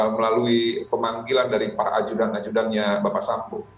melalui pemanggilan dari para ajudan ajudannya bapak sambo